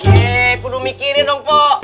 yee buduh mikirin dong po